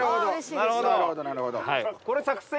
なるほどなるほど。